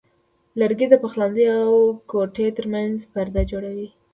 لرګی د پخلنځي او کوټې ترمنځ پرده جوړوي.